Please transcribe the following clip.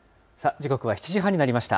時刻は７時半になりました。